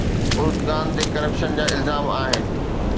Erdogan تي corruption جا الزام آهن.